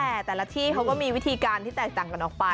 แต่แต่ละที่เขาก็มีวิธีการที่แตกต่างกันออกไป